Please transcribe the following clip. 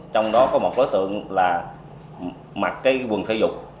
trong đó có một đối tượng là mặc cái quần thể dục